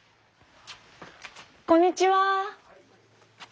こんにちは。